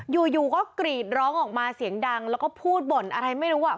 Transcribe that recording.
อยู่อยู่ก็กรีดร้องออกมาเสียงดังแล้วก็พูดบ่นอะไรไม่รู้อ่ะ